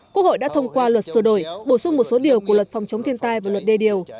quốc hội đã thông qua luật sửa đổi bổ sung một số điều của luật phòng chống thiên tai và luật đê điều